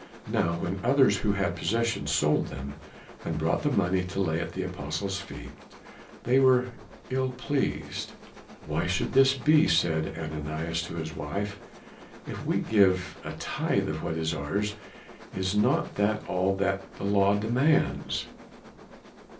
Now when others who had possessions sold them and brought the money to lay at the apostles' feet, they were ill pleased. "Why should this be?" said Ananias to his wife. "If we give a tithe of what is ours is not that all that the law demands?"